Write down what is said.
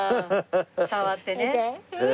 触ってね。